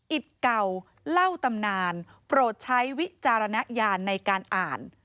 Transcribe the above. เก่าเล่าตำนานโปรดใช้วิจารณญาณในการอ่าน